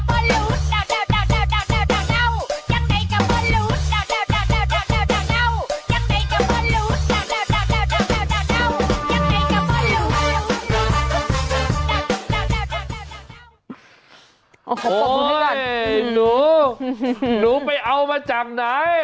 โอ้ยหนูหนูไปเอามาจากไหน